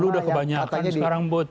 sepuluh udah kebanyakan sekarang bud